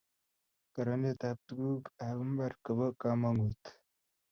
koronet ab tuguk ab mbar kobo kamangut